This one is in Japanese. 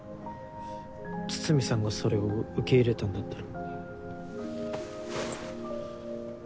筒見さんがそれを受け入れたんだったら。